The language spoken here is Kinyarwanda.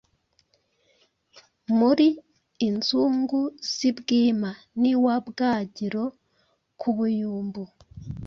Muri inzugu z’i Bwima, N’iwa Bwagiro ku Buyumbu.